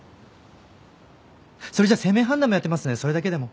それじゃ姓名判断もやってますんでそれだけでも。